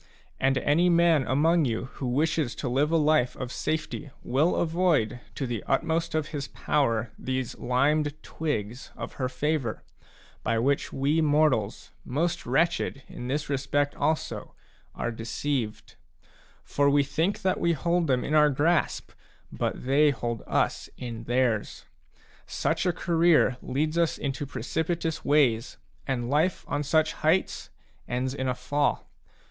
And any man among you who wishes to live a life of safety will avoid, to the utmost of his power, these limed twigs of her favour, by which we mortals^ most wretched in this respect also, are deceived ; for we think that we hold them in our grasp, but they hold us in theirs. Such a career leads us into precipitous ways, and life on such heights ends in a fall.